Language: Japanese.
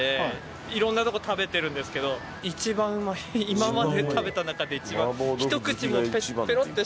今まで食べた中で一番。